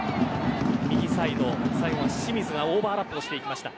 右サイド、最後は清水がオーバーラップしました。